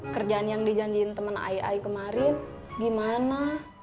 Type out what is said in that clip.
kerjaan yang dijanjiin temen ay ay kemarin gimana